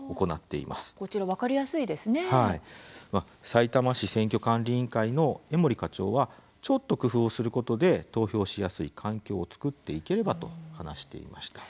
さいたま市選挙管理委員会の江森課長は「ちょっと工夫をすることで投票しやすい環境を作っていければ」と話していました。